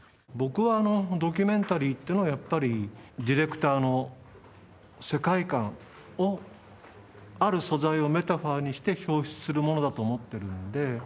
僕はドキュメンタリーっていうのはやっぱりディレクターの世界観をある素材をメタファーにして表出するものだと思ってるので。